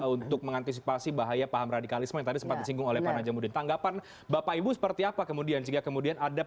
untuk mengantisipasi bahaya paham radikalisme yang tadi sempat disinggung oleh pak raja muryudin